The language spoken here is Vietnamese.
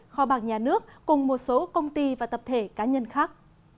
kho bạc nhà nước cùng một số công ty và tập thể cá nhân khác